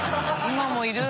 今もいる？